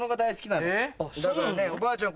だからおばあちゃん